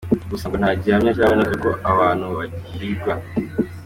Gusa ngo nta gihamya kiraboneka ko aba bantu bahigwaga.